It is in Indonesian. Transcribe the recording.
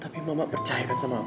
tapi mama percayakan sama allah